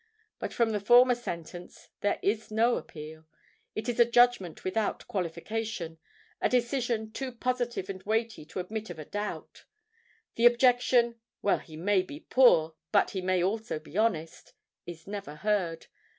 But from the former sentence there is no appeal; it is a judgment without qualification—a decision too positive and weighty to admit of a doubt. The objection—"Well, he may be poor; but he may also be honest," is never heard.